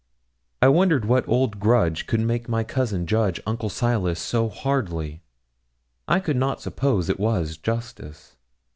I wondered what old grudge could make my cousin judge Uncle Silas always so hardly I could not suppose it was justice.